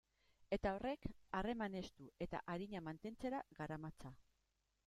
Eta horrek harreman estu eta arina mantentzera garamatza.